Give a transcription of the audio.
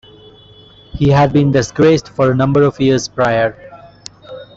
He had been disgraced for a number of years prior.